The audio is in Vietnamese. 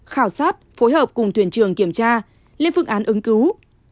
khảo sát phối hợp cùng thuyền trường kiểm tra lên phương án ứng cứu